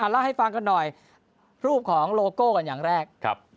เล่าให้ฟังกันหน่อยรูปของโลโก้กันอย่างแรก